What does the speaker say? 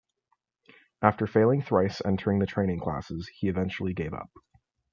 After failing thrice entering the training classes, he eventually gave up.